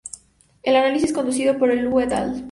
El análisis conducido por Luo "et al.